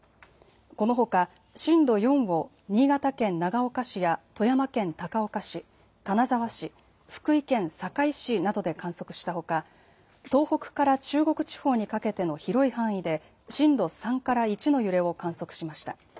このほか震度４を新潟県長岡市や富山県高岡市、金沢市、福井県坂井市などで観測したほか東北から中国地方にかけての広い範囲で震度３から１の揺れを観測しました。